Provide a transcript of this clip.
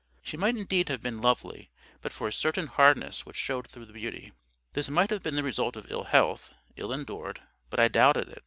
She might indeed have been LOVELY but for a certain hardness which showed through the beauty. This might have been the result of ill health, ill endured; but I doubted it.